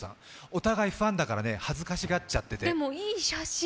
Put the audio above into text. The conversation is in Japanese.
お互いファンだから恥ずかしがっちゃって。